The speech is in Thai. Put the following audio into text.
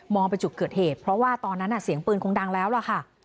ไปจุดเกิดเหตุเพราะว่าตอนนั้นเสียงปืนคงดังแล้วล่ะค่ะ